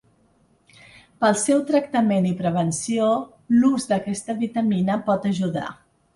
Pel seu tractament i prevenció l'ús d'aquesta vitamina pot ajudar.